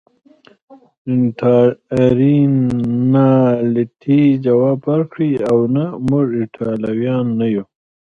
رینالډي ځواب ورکړ: اوه، نه، موږ ایټالویان نه یو.